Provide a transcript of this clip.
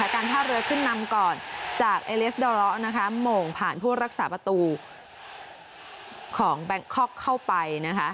ฆ่าเรือขึ้นนำก่อนจากเอเลสโดรเตอร์มองผ่านผู้รักษาประตูของแบงค์ค็อกเข้าไป